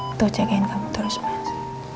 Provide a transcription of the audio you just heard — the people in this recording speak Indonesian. untuk jagain kamu terus mas